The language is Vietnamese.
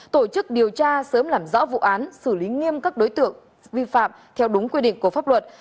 tổ chức điều tra sớm làm rõ vụ án xử lý nghiêm các đối tượng vi phạm theo đúng quy định của pháp luật